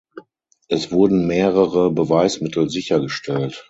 Es wurden mehrere Beweismittel sichergestellt.